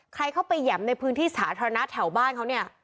ใครเข้าไปแหยมในพื้นที่สาธารณะแถวบ้านเขาเนี่ย